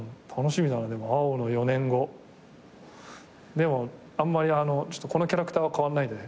でもあんまりあのこのキャラクターは変わんないでね。